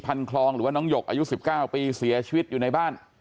คลองหรือว่าน้องหยกอายุ๑๙ปีเสียชีวิตอยู่ในบ้าน